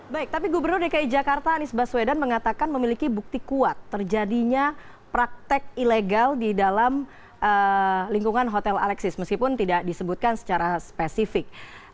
baik tapi gubernur dki jakarta anies baswedan mengatakan memiliki bukti kuat terjadinya praktek ilegal di dalam lingkungan hotel alexis meskipun tidak disebutkan secara spesifik